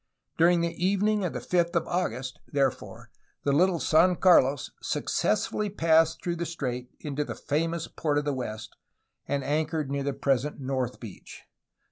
During the evening of the 5th of August, therefore, the little San Carlos successfully passed through the strait into the famous port of the west, and anchored near the present North Beach.